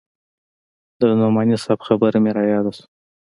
د نعماني صاحب خبره مې راياده سوه.